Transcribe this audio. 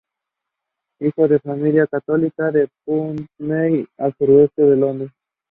Hijo de una familia católica de Putney, al suroeste de Londres.